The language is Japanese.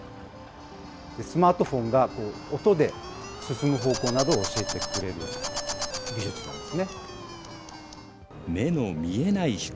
スマートフォンが、音で進む方向などを教えてくれる技術なんですね。